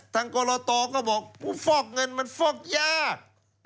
ทางกรโลโตรก็บอกฟอกเงินมันฟอกยาก